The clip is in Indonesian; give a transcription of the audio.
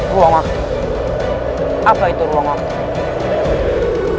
ruang waktu apa itu ruang waktu